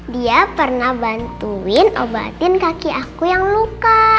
dia pernah bantuin obatin kaki aku yang luka